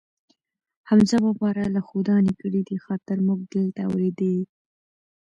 حمزه بابا را له ښودانې کړی دي، خاطر مونږ دلته اورېدی.